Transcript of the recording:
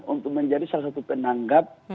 untuk menjadi salah satu penanggap